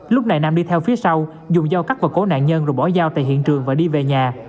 lúc này nam đi theo phía sau dùng dao cắt vào cổ nạn nhân rồi bỏ giao tại hiện trường và đi về nhà